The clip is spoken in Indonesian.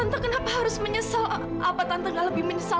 mbak coachora menjajikannya kan